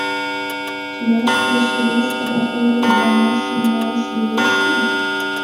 Тӱняште эше вес тыгай поро ӱдырамашым муаш лиеш мо?